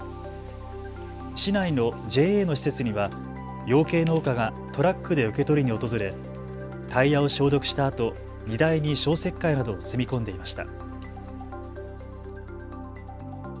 市内のＪＡの施設には養鶏農家がトラックで受け取りに訪れタイヤを消毒したあと荷台に消石灰などを積み込んでいました。